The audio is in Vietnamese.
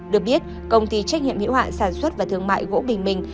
được biết công ty trách nhiệm hiệu hạn sản xuất và thương mại gỗ bình minh